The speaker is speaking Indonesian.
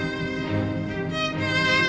mama sudah senang